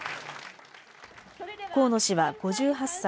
河野氏は５８歳。